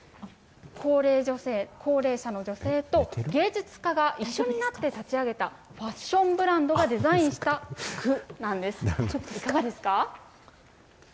高齢女性、高齢者の女性と芸術家が一緒になって立ち上げた、ファッションブランドがデザインした服なんです。